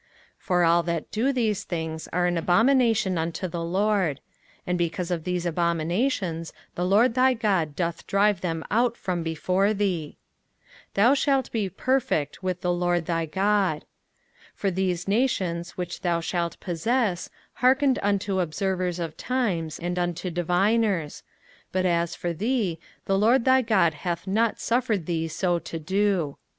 05:018:012 For all that do these things are an abomination unto the LORD: and because of these abominations the LORD thy God doth drive them out from before thee. 05:018:013 Thou shalt be perfect with the LORD thy God. 05:018:014 For these nations, which thou shalt possess, hearkened unto observers of times, and unto diviners: but as for thee, the LORD thy God hath not suffered thee so to do.